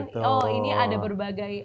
oh ini ada berbagai